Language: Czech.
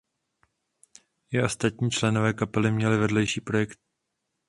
I ostatní členové kapely měli vedlejší projekty.